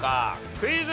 クイズ。